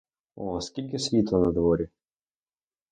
О, скільки світла на дворі!